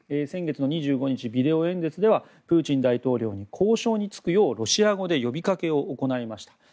先月２５日、ビデオ演説ではプーチン大統領に交渉につくようロシア語で呼びかけを行いました。